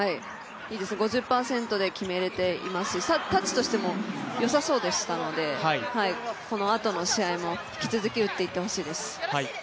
５０％で決めれていますし、タッチとしてもよさそうでしたのでこのあとの試合も引き続き打っていってほしいです。